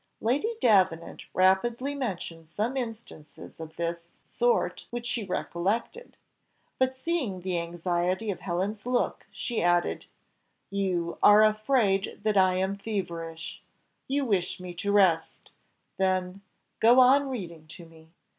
Lady Davenant rapidly mentioned some instances of this sort which she recollected, but seeing the anxiety of Helen's look, she added, "You are afraid that I am feverish; you wish me to rest; then, go on reading to me."